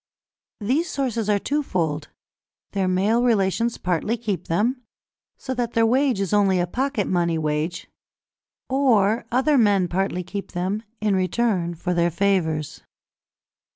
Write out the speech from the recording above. These sources are twofold: their male relations partly keep them, so that their wage is only a pocket money wage; or other men partly keep them, in return for their favours.